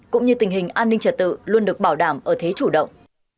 cũng như tình hình an ninh trật tự luôn được bảo đảm ở thế chủ động